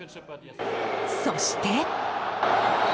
そして。